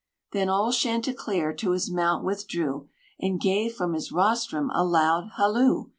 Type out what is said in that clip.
Then old Chanticleer to his mount withdrew, And gave from his rostrum a loud halloo.